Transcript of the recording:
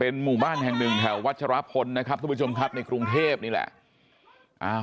หมู่บ้านแห่งหนึ่งแถววัชรพลนะครับทุกผู้ชมครับในกรุงเทพนี่แหละ